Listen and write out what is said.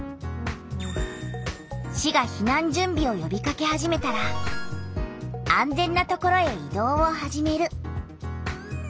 市が避難準備をよびかけ始めたら「安全な所へ移動を始める」。